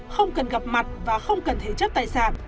không cần gặp mặt và không cần thế chấp tài sản